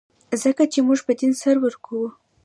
ځکه چې موږ په دین سر ورکوو.